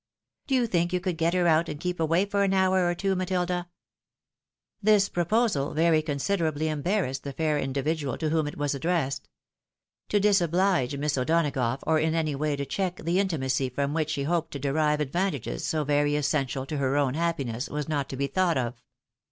Do you think you could get her out, and keep away for an hour or two, MatOda ?" This proposal very considerably embarrassed the fair indi vidual to whom it was addressed. To disobUge Miss O'Dona 234 THE WIDOW MARRIED. gough, or in any way to check the intimacy from which she hoped to derive advantages so very essential to her own happiness, was not to be thought of.